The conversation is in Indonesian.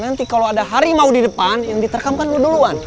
nanti kalau ada harimau di depan yang diterkamkan duluan